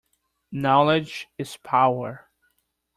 Knowledge is power.